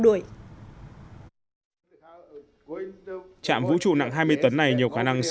đuổi chạm vũ trụ nặng hai mươi tấn này nhiều khả năng sẽ được xây dựng trong những năm tới